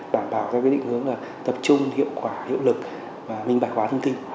đảm bảo theo cái định hướng là tập trung hiệu quả hiệu lực và minh bạc hóa thông tin